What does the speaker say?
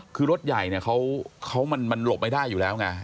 คือรถใหญ่เนี่ยมันหลบไม่ได้อยู่แล้วไง